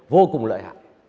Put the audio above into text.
vô cùng lợi hại